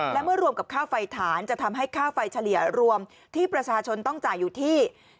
และเมื่อรวมกับค่าไฟฐานจะทำให้ค่าไฟเฉลี่ยรวมที่ประชาชนต้องจ่ายอยู่ที่